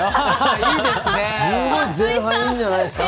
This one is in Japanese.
すごい前半いいんじゃないですか！